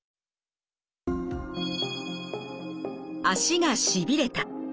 足がしびれた。